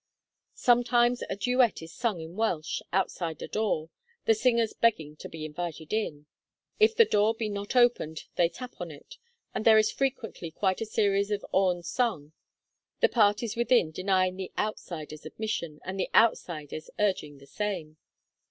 Sometimes a duet is sung in Welsh, outside a door, the singers begging to be invited in; if the door be not opened they tap on it, and there is frequently quite a series of awen sung, the parties within denying the outsiders admission, and the outsiders urging the same.